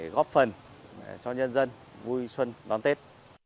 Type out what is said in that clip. góp phần cho nhân dân vui xuân đón tết